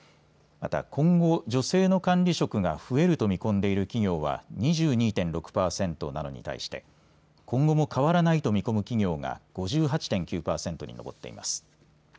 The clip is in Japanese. また今後、女性の管理職が増えると見込んでいる企業は２２．６％なのに対して今後も変わらないと見込む企業が５８．９％に上っています。